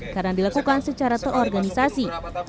karena dilakukan secara terorganisasi